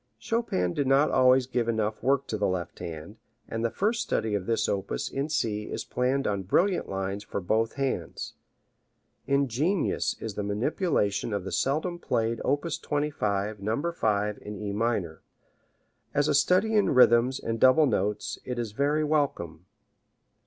Chopin did not always give enough work to the left hand, and the first study of this opus in C is planned on brilliant lines for both hands. Ingenious is the manipulation of the seldom played op. 25, No. 5, in E minor. As a study in rhythms and double notes it is very welcome.